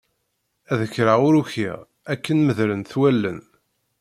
Ad kreɣ ur ukiɣ akken medlent wallen.